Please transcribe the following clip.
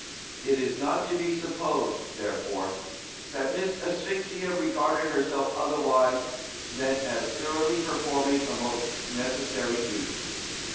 It is not to be supposed, therefore, that Miss Asphyxia regarded herself otherwise than as thoroughly performing a most necessary duty.